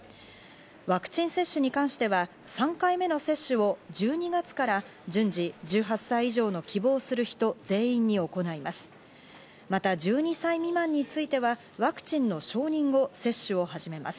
ワクチン接種に関しては３回目の接種を１２月から順次１８歳以上の希望する人全員に行います。